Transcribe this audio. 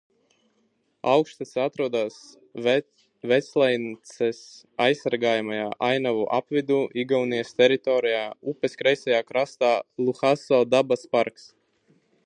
Augštece atrodas Veclaicenes aizsargājamajā ainavu apvidū, Igaunijas teritorijā upes kreisajā krastā Luhaso dabas parks.